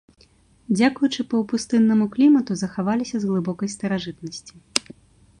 Дзякуючы паўпустыннаму клімату захаваліся з глыбокай старажытнасці.